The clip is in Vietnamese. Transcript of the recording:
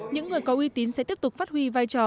những người có uy tín sẽ tiếp tục phát huy vai trò